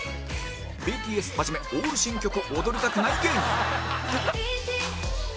ＢＴＳ はじめオール新曲踊りたくない芸人